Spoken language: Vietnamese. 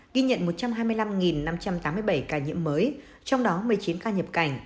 ghi nhận một trăm hai mươi năm năm trăm tám mươi bảy ca nhiễm mới trong đó một mươi chín ca nhập cảnh